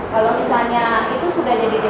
kalau misalnya itu sudah jadi dp